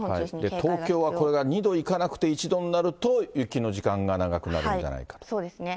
東京はこれが２度いかなくて１度になると、雪の時間が長くなそうですね。